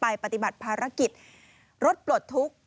ปฏิบัติภารกิจรถปลดทุกข์